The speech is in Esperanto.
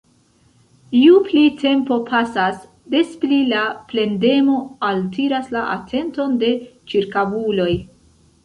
Ju pli tempo pasas, des pli la plendemo altiras la atenton de ĉirkaŭuloj.